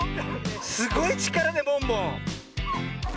すごいちからねボンボン！